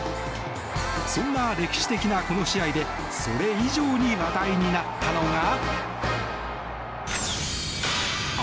そんな歴史的なこの試合でそれ以上に話題になったのが。